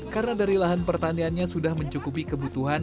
karena dari lahan pertaniannya sudah mencukupi kebutuhan